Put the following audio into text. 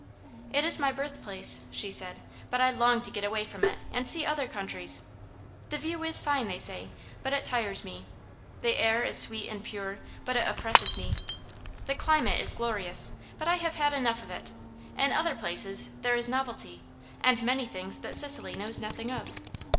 "It is my birthplace," she said; "but I long to get away from it and see other countries. The view is fine, they say; but it tires me. The air is sweet and pure; but it oppresses me. The climate is glorious; but I have had enough of it. In other places there is novelty, and many things that Sicily knows nothing of."